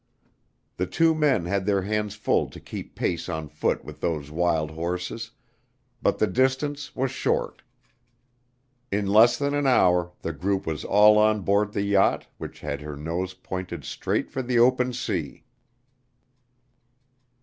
The two men had their hands full to keep pace on foot with those wild horses, but the distance was short. In less than an hour the group was all on board the yacht which had her nose pointed straight for the open sea.